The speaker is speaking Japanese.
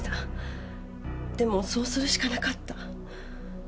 でもそうするしかなかった。